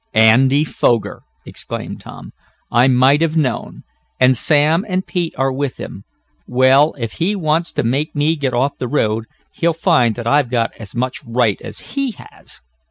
"Andy Foger!" exclaimed Tom. "I might have known. And Sam and Pete are with him. Well, if he wants to make me get off the road, he'll find that I've got as much right as he has!"